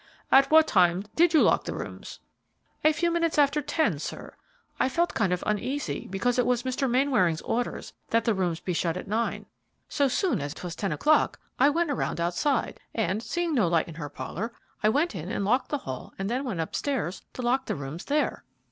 "At what time did you lock the rooms?" "A few minutes after ten, sir. I felt kind of uneasy, because it was Mr. Mainwaring's orders that the rooms be shut at nine; so soon as 'twas ten o'clock I went around outside, and, seeing no light in her parlor, I went in and locked the hall and then went up stairs to lock the rooms there."